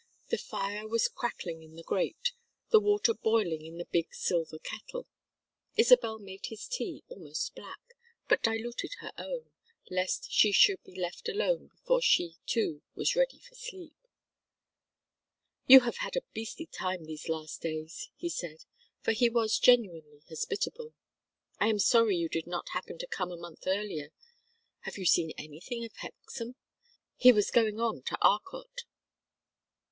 The fire was crackling in the grate, the water boiling in the big silver kettle. Isabel made his tea almost black, but diluted her own, lest she should be left alone before she too was ready for sleep. "You have had a beastly time these last days," he said, for he was genuinely hospitable. "I am sorry you did not happen to come a month earlier. Have you seen anything of Hexam? He was going on to Arcot."